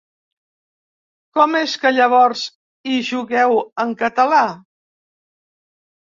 Com és que llavors hi jugueu en català?